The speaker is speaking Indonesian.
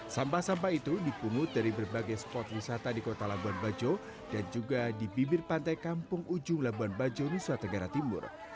sampah sampah itu dipungut dari berbagai spot wisata di kota labuan bajo dan juga di bibir pantai kampung ujung labuan bajo nusa tenggara timur